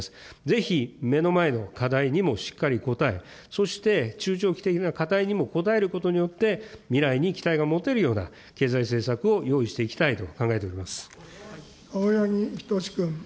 ぜひ、目の前の課題にもしっかり応え、そして中長期的な課題にも応えることによって、未来に期待が持てるような経済政策を用意していきたいと考えてお青柳仁士君。